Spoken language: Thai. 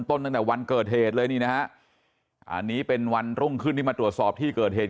ตั้งแต่วันเกิดเหตุเลยนี่นะฮะอันนี้เป็นวันรุ่งขึ้นที่มาตรวจสอบที่เกิดเหตุ